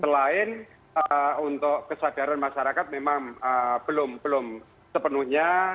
selain untuk kesadaran masyarakat memang belum sepenuhnya